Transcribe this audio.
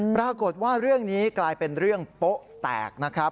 ปรากฏว่าเรื่องนี้กลายเป็นเรื่องโป๊ะแตกนะครับ